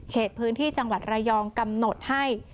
พื้นที่จังหวัดระยองกำหนดให้